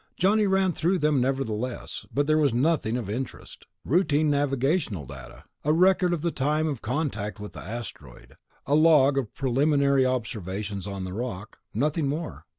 Johnny ran through them nevertheless, but there was nothing of interest. Routine navigational data; a record of the time of contact with the asteroid; a log of preliminary observations on the rock; nothing more.